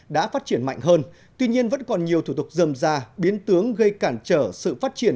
đã phát triển mạnh hơn tuy nhiên vẫn còn nhiều thủ tục dầm ra biến tướng gây cản trở sự phát triển